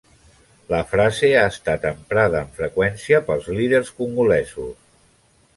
La frase ha estat emprada amb freqüència pels líders congolesos.